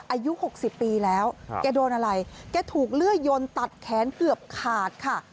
อายุ๖๐ปีแล้วแกโดนอะไรแกถูกเลื่อยยนตัดแขนเกือบขาดค่ะ